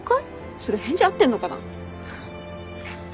それ返事合ってんのかな。